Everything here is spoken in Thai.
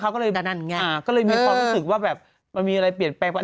ก็เลยมีความรู้สึกว่าแบบมันมีอะไรเปลี่ยนเปลี่ยน